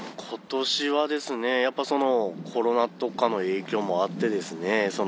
今年はですねやっぱそのコロナとかの影響もあってですね